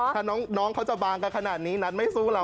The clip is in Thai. ถ้าน้องเขาจะบางกันขนาดนี้นัทไม่สู้เรา